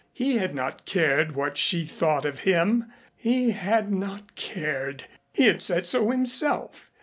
He had not cared what she thought of him. He had not cared. He had said so himself.